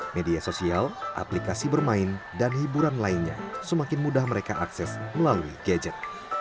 media sosial aplikasi bermain dan hiburan lainnya semakin mudah mereka akses melalui gadget